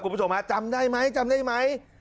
คุณผู้ชมฮะจำได้ไหมจำได้ไหม